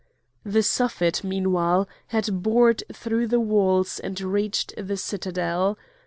The Suffet, meanwhile, had bored through the walls and reached the citadel.